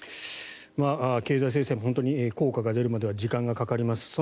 経済制裁が効果が出るまでは時間がかかります。